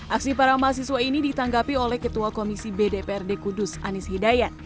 aksi para mahasiswa ini ditanggapi oleh ketua komisi bdprd kudus anies hidayat